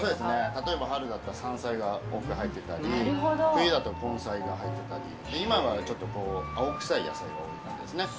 例えば春だったら山菜が多く入ってたり冬だと根菜が入ってたり今はちょっとこう青臭い野菜が多いですね